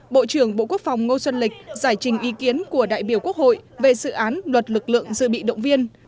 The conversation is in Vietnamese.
bộ trưởng bộ quốc phòng ngô xuân lịch giải trình ý kiến của đại biểu quốc hội về dự án luật lực lượng dự bị động viên